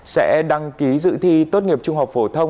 sẽ đăng ký dự thi tốt nghiệp trung học phổ thông